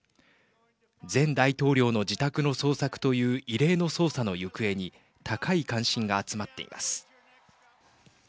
前大統領の自宅の捜索という異例の捜査の行方に高い関心が集まっています。